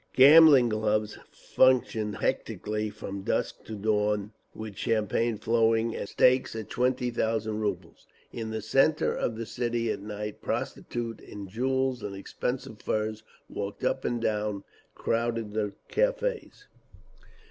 Gambling clubs functioned hectically from dusk to dawn, with champagne flowing and stakes of twenty thousand rubles. In the centre of the city at night prostitutes in jewels and expensive furs walked up and down, crowded the cafés….